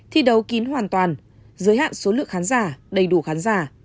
thi đấu kín hoàn toàn giới hạn số lượng khán giả đầy đủ khán giả